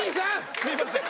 すいません。